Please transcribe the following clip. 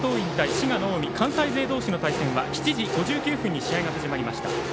滋賀の近江関西勢同士の対戦は７時５９分に試合が始まりました。